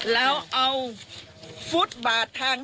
แล้วเอาฟุตบาททาง